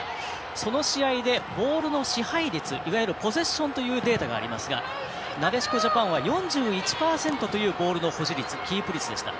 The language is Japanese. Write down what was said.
その試合で、ボールの支配率いわゆるポジションのデータがありますがなでしこジャパンは４１％というボールの保持率キープ率でした。